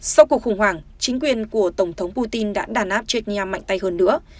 sau cuộc khủng hoảng chính quyền của tổng thống putin đã đàn áp chết nhà mạnh tay hơn nữa